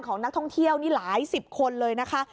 ของนักท่องเที่ยวนี่หลายสิบคนเลยนะคะ